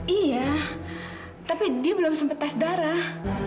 iya tapi dia belum sempat tes darah